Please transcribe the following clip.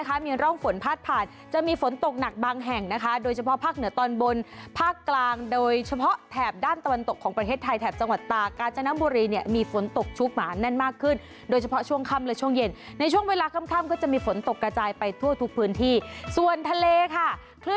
มีร่องฝนพาดผ่านจะมีฝนตกหนักบางแห่งนะคะโดยเฉพาะภาคเหนือตอนบนภาคกลางโดยเฉพาะแถบด้านตะวันตกของประเทศไทยแถบจังหวัดตากาญจนบุรีเนี่ยมีฝนตกชุกหมาแน่นมากขึ้นโดยเฉพาะช่วงค่ำและช่วงเย็นในช่วงเวลาค่ำก็จะมีฝนตกกระจายไปทั่วทุกพื้นที่ส่วนทะเลค่ะ